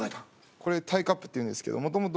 これタイカップって言うんですけどもともと。